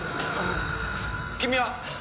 君は？